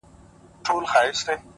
د ژوند ارزښت په نښه پرېښودلو کې دی!